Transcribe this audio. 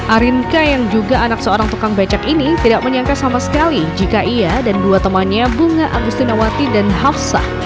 arinka yang juga anak seorang tukang becak ini tidak menyangka sama sekali jika ia dan dua temannya bunga agustinawati dan hafsah